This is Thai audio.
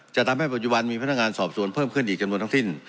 จะทำให้ปัจจุบันมีพนักงานสอบสวนเพิ่มขึ้นอีกจำนวนทั้งสิ้น